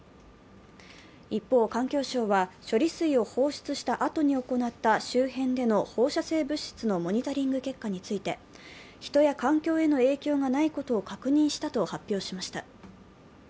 一方、環境省は処理水を放出したあとに行った周辺での放射性物質のモニタリング結果について人や環境への影響がないことを確認したと発表しました。